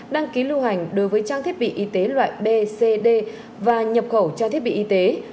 đăng ký lưu hành đối với trang thiết bị y tế loại b c d và nhập khẩu trang thiết bị y tế